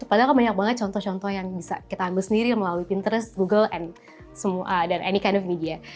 padahal banyak banget contoh contoh yang bisa kita ambil sendiri melalui pinterest google dan any kind of media